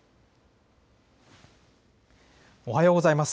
おはようございます。